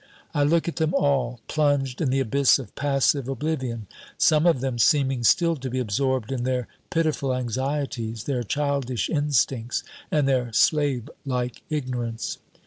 I look at them all, plunged in the abyss of passive oblivion, some of them seeming still to be absorbed in their pitiful anxieties, their childish instincts, and their slave like ignorance.